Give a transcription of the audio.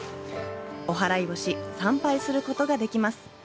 おはらいをし、参拝することができます。